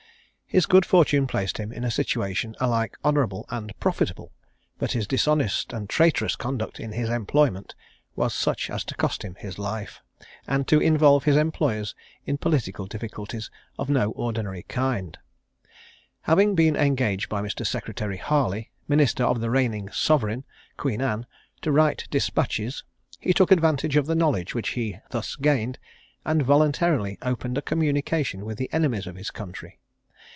His good fortune placed him in a situation alike honourable and profitable, but his dishonest and traitorous conduct in his employment, was such as to cost him his life, and to involve his employers in political difficulties of no ordinary kind. Having been engaged by Mr. Secretary Harley, minister of the reigning sovereign, Queen Anne, to write despatches, he took advantage of the knowledge which he thus gained, and voluntarily opened a communication with the enemies of his country.